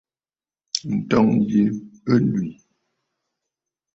Ǹtɔ̀ŋgə̂ yi ɨ lwì.